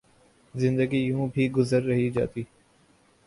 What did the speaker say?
زندگی یوں بھی گزر ہی جاتی